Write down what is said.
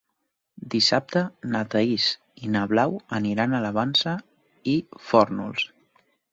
Dissabte na Thaís i na Blau aniran a la Vansa i Fórnols.